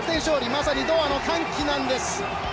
まさにドーハの歓喜なんです！